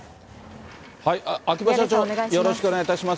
秋葉社長、よろしくお願いいたします。